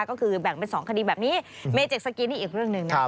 ก็คือแบ่งเป็น๒คดีแบบนี้เมเจกสกินอีกเรื่องนึง